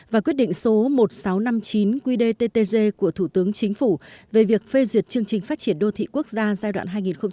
và quyết định số một nghìn sáu trăm năm mươi chín qdttg của thủ tướng chính phủ về việc phê duyệt chương trình phát triển đô thị quốc gia giai đoạn hai nghìn một mươi sáu hai nghìn hai mươi